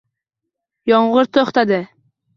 Yomg'ir to'xtadi